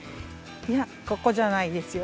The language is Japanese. いやここじゃないですよ。